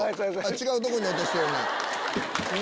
違うとこに落としてるね。